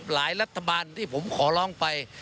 รัฐบาลที่ผมขอร้องไป